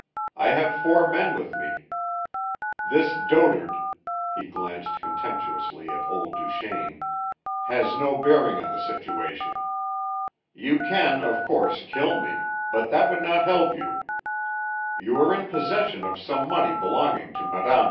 I have four men with me. This dotard" he glanced contemptuously at old Duchaine "has no bearing on the situation. You can, of course, kill me; but that would not help you. You are in possession of some money belonging to Mme.